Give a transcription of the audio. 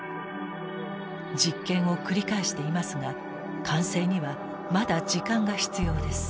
実験を繰り返していますが完成にはまだ時間が必要です。